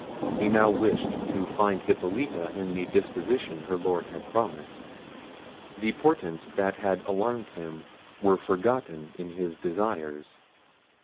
He now wished to find Hippolita in the disposition her Lord had promised. The portents that had alarmed him were forgotten in his desires.